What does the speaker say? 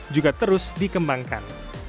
juga terus dikembangkan